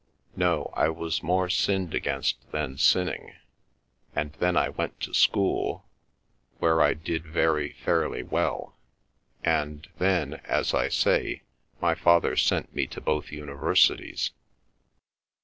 No, I was more sinned against than sinning. And then I went to school, where I did very fairly well; and and then, as I say, my father sent me to both universities.